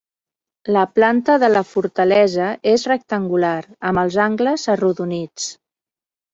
La planta de la fortalesa és rectangular, amb els angles arrodonits.